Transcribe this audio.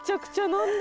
何で？